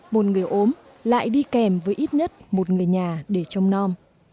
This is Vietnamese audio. một người ốm lại đi kèm với ít nhất một người nhà để trông non